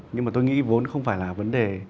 nhưng mà tôi nghĩ vốn không phải là vấn đề